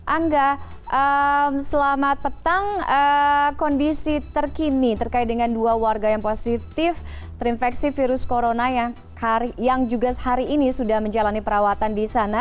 angga selamat petang kondisi terkini terkait dengan dua warga yang positif terinfeksi virus corona yang juga hari ini sudah menjalani perawatan di sana